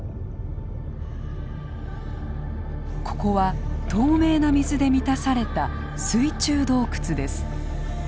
ここは透明な水で満たされた水中洞窟です。